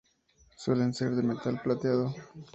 Suelen ser de metal plateado.